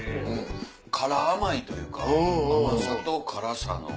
辛甘いというか甘さと辛さの。